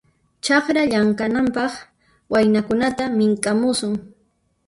Chakra llamk'anapaq waynakunata mink'amusun.